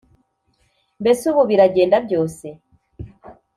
mbese ubu biragenda byose